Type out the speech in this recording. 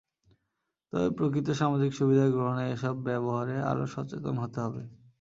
তবে প্রকৃত সামাজিক সুবিধা গ্রহণে এসব ব্যবহারে আরও সচেতন হতে হবে।